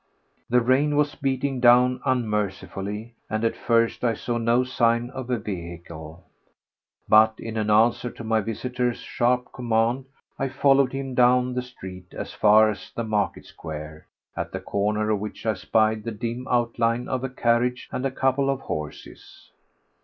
The rain was beating down unmercifully, and at first I saw no sign of a vehicle; but in answer to my visitor's sharp command I followed him down the street as far as the market square, at the corner of which I spied the dim outline of a carriage and a couple of horses.